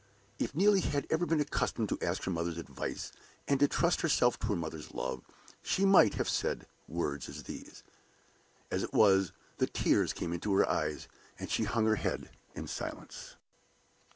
If Neelie had ever been accustomed to ask her mother's advice and to trust herself to her mother's love, she might have said such words as these. As it was, the tears came into her eyes, and she hung her head in silence.